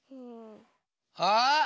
あっ！